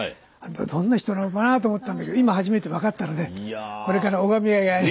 どんな人なのかなと思ったんだけど今初めて分かったのでこれから拝みがいがある。